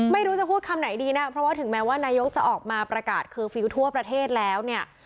ไม่รู้จะพูดคำไหนดีนะเพราะว่าถึงแม้ว่านายกจะออกมาประกาศเคอร์ฟิลล์ทั่วประเทศแล้วเนี่ย